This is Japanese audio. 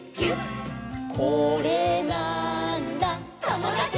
「これなーんだ『ともだち！』」